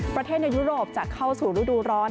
ประเทศในยุโรปจะเข้าสู่รูดูร้อน